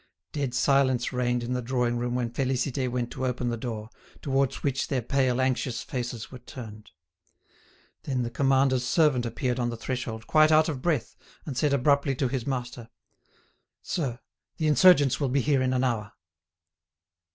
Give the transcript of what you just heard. Dead silence reigned in the drawing room when Félicité went to open the door, towards which their pale, anxious faces were turned. Then the commander's servant appeared on the threshold, quite out of breath, and said abruptly to his master: "Sir, the insurgents will be here in an hour."